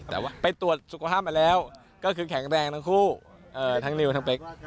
แต่ว่าไปตรวจสุขภาพมาแล้วก็คือแข็งแรงทั้งคู่ทั้งนิวทั้งเป๊ก